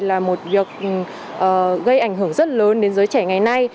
là một việc gây ảnh hưởng rất lớn đến giới trẻ ngày nay